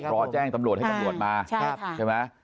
รอแจ้งตำรวจให้ตำรวจมาใช่ไหม